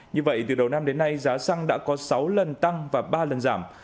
như vậy từ đầu năm đến nay giá xăng đã có sáu lần tăng và ba lần giảm